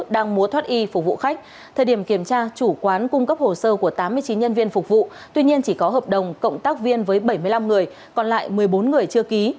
đang mua thoát y phục vụ khách thời điểm kiểm tra chủ quán cung cấp hồ sơ của tám mươi chín nhân viên phục vụ tuy nhiên chỉ có hợp đồng cộng tác viên với bảy mươi năm người còn lại một mươi bốn người chưa ký